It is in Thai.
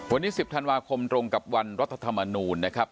วันนี้๑๐ธันวาคมตรงกับวันรัฐธรรมนูลนะครับ